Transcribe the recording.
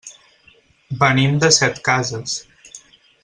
Venim de Setcases.